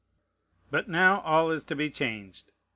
But now all is to be changed.